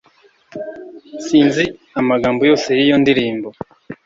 Sinzi amagambo yose yiyo ndirimbo